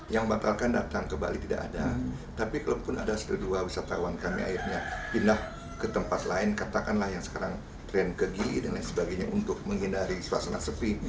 yang membatalkan datang ke bali tidak ada tapi kalaupun ada satu dua wisatawan kami akhirnya pindah ke tempat lain katakanlah yang sekarang tren ke gili dan lain sebagainya untuk menghindari suasana sepi